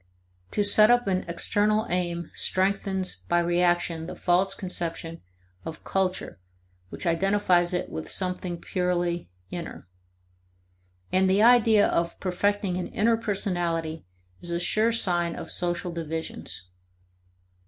To set up an external aim strengthens by reaction the false conception of culture which identifies it with something purely "inner." And the idea of perfecting an "inner" personality is a sure sign of social divisions.